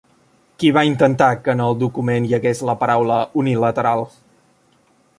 Qui va intentar que en el document hi hagués la paraula unilateral?